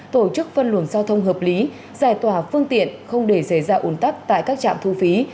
tổ chức phân luồng giao thông hợp lý giải tỏa phương tiện không để xảy ra ủn tắc tại các trạm thu phí